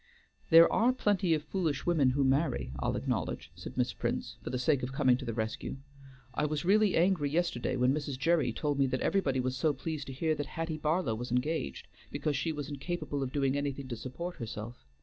"There are plenty of foolish women who marry, I'll acknowledge," said Miss Prince, for the sake of coming to the rescue. "I was really angry yesterday, when Mrs. Gerry told me that everybody was so pleased to hear that Hattie Barlow was engaged, because she was incapable of doing anything to support herself.